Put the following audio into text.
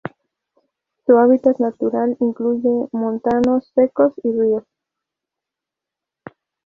Su hábitat natural incluye montanos secos y ríos.